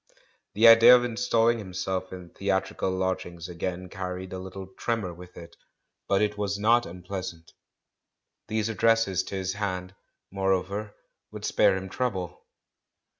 The idea of installing himself in theatrical lodgings again THE CALL FROM THE PAST 397 carried a little tremor with it ; but it was not un pleasant. These addresses to his hand, moreover, would spare him trouble.